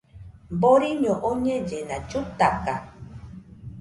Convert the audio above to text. Boriño oñellena, llutaka